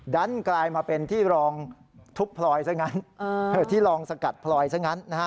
กลายมาเป็นที่รองทุบพลอยซะงั้นที่ลองสกัดพลอยซะงั้นนะฮะ